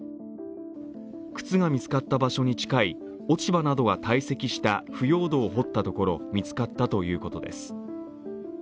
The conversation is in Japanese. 靴が見つかった場所に近い、落ち葉などが堆積した腐葉土を掘ったところ、見つかったということです。